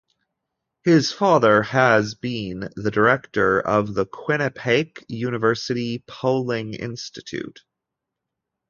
His father has been the director of the Quinnipiac University Polling Institute.